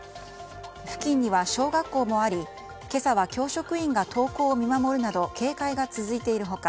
付近には小学校もあり今朝は教職員が登校を見守るなど警戒が続いている他